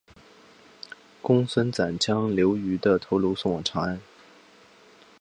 公孙瓒将刘虞的头颅送往长安。